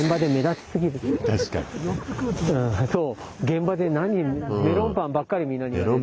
現場でメロンパンばっかりみんなに言われる。